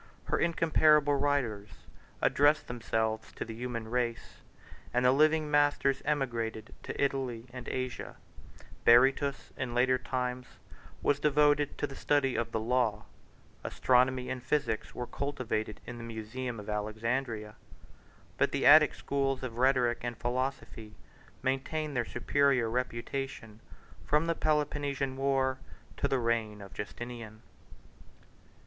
Her incomparable writers address themselves to the human race; the living masters emigrated to Italy and Asia; Berytus, in later times, was devoted to the study of the law; astronomy and physic were cultivated in the musaeum of Alexandria; but the Attic schools of rhetoric and philosophy maintained their superior reputation from the Peloponnesian war to the reign of Justinian.